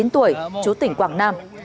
một mươi chín tuổi chú tỉnh quảng nam